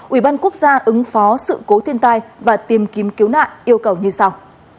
ubnd quốc gia ứng phó sự cố thiên tai và tìm kiếm cứu nạn yêu cầu như sau